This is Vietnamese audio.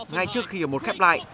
ngay trước khi ở một khép lại